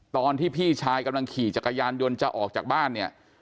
พี่ชายกำลังขี่จักรยานยนต์จะออกจากบ้านเนี่ย